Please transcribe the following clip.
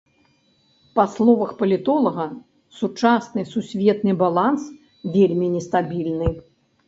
Па словах палітолага, сучасны сусветны баланс вельмі нестабільны.